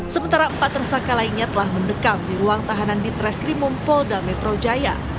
sementara empat tersangka lainnya telah mendekam di ruang tahanan di treskrimum polda metro jaya